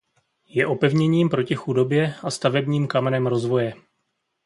Je opevněním proti chudobě a stavebním kamenem rozvoje.